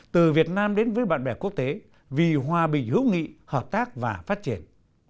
từ việt nam đến với bạn bè quốc tế vì hòa bình hữu nghị hợp tác và phát triển